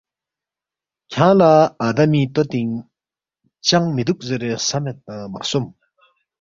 کھیانگ لہ آدمی طوطِنگ چنگ مِہ دُوک زیرے خسمید نہ مہ خسوم